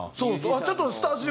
ちょっとスタジオに近い。